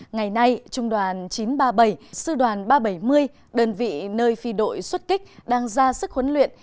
ngày nay trung đoàn chín trăm ba mươi bảy sư đoàn ba trăm bảy mươi đơn vị nơi phi đội xuất kích đang ra sức huấn luyện